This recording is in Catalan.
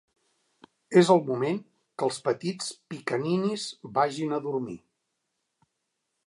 És el moment que els petits Pickaninnies vagin a dormir.